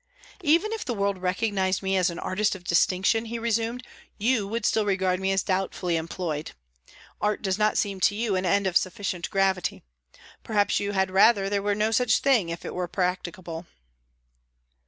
"Even if the world recognized me as an artist of distinction," he resumed, "you would still regard me as doubtfully employed. Art does not seem to you an end of sufficient gravity. Probably you had rather there were no such thing, if it were practicable."